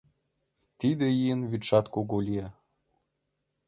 Тиде ийын вӱдшат кугу лие.